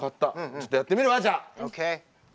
ちょっとやってみるわじゃあ！